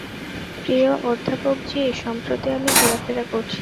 প্রিয় অধ্যাপকজী, সম্প্রতি আমি ঘোরাফেরা করছি।